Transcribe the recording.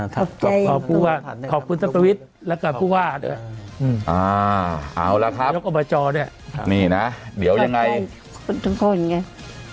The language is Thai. ขอบใจขอบคุณท่านประวิทย์และกับผู้ว่าด้วยอ้าวแล้วครับนี่นะเดี๋ยวยังไงขอบใจทุกคนค่ะ